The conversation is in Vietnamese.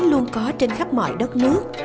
luôn có trên khắp mọi đất nước